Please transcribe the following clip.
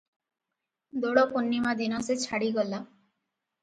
ଦୋଳପୂର୍ଣ୍ଣିମା ଦିନ ସେ ଛାଡ଼ିଗଲା ।